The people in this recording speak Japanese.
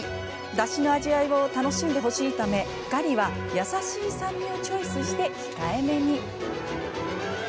だしの味わいを楽しんでほしいためガリは優しい酸味をチョイスして控えめに。